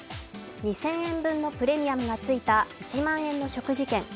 ２０００円分のプレミアムがついた１万円の食事券